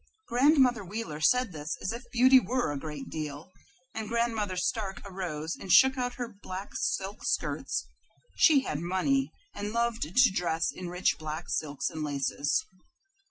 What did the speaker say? Grandmother Wheeler said that as if beauty were a great deal, and Grandmother Stark arose and shook out her black silk skirts. She had money, and loved to dress in rich black silks and laces.